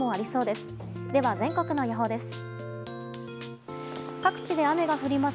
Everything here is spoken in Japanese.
では、全国の予報です。